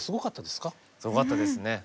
すごかったですね。